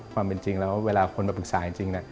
ความเป็นจริงแล้วเวลาคนมาปรึกษาจริง